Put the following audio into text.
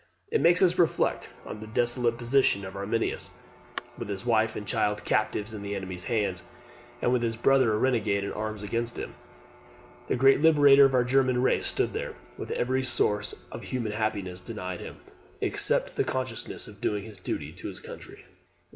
It makes us reflect on the desolate position of Arminius, with his wife and child captives in the enemy's hands, and with his brother a renegade in arms against him. The great liberator of our German race stood there, with every source of human happiness denied him, except the consciousness of doing his duty to his country.